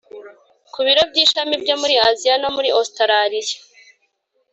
ku biro by ishami byo muri Aziya na Ositaraliya